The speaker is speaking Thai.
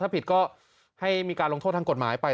ถ้าผิดก็ให้มีการลงโทษทางกฎหมายไป